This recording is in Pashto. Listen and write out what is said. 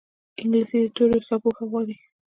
انګلیسي د توریو ښه پوهه غواړي